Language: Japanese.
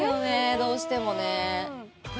どうしてもねああ